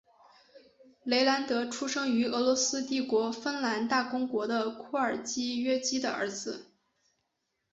雷兰德出生于俄罗斯帝国芬兰大公国的库尔基约基的儿子。